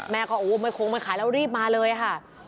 แม่ก็โอ้ไม่คงไม่ขายแล้วรีบมาเลยค่ะ